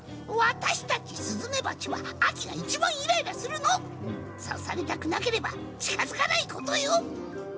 私たちスズメバチは秋がいちばんイライラするの！刺されたくなければ近づかないことよ！